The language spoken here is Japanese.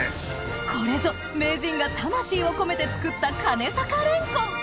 これぞ名人が魂を込めて作った金坂蓮魂！